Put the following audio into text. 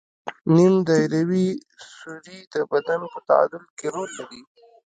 نیم دایروي سوري د بدن په تعادل کې رول لري.